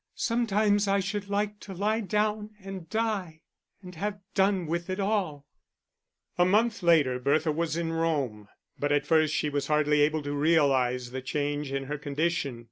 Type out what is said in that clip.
Sometimes I should like to lie down and die, and have done with it all." A month later Bertha was in Rome. But at first she was hardly able to realise the change in her condition.